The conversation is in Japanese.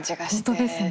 本当ですね。